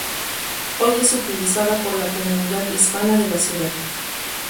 Hoy es utilizada por la comunidad hispana de la ciudad.